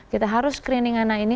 kita harus screening anak ini